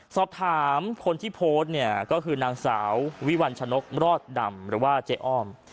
สอบถามคนที่โพสต์เนี่ยก็คือนางสาววิวัลชนกรอดดำหรือว่าเจ๊อ้อม